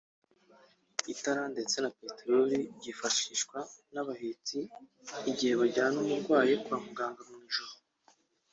itara ndetse na peterori byifashishwa n’abahetsi igihe bajyanye umurwayi kwa muganga mu ijoro